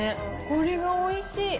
これがおいしい。